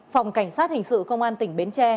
phòng cảnh sát hình sự công an tỉnh bến tre